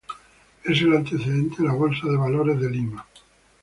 Es el antecedente de la Bolsa de Valores de Lima.